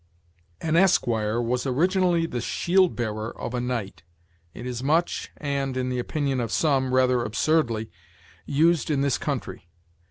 An esquire was originally the shield bearer of a knight. It is much, and, in the opinion of some, rather absurdly, used in this country.